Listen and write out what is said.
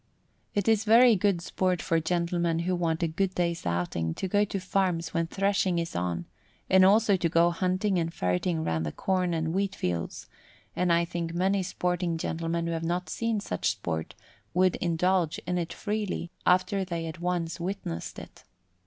It is very good sport for gentlemen who want a good day's outing to go to farms when threshing is on, and also to go hunting and ferreting round the corn and wheat fields, and I think many sporting gentlemen who have not seen such sport would indulge in it freely after they had once witnessed it.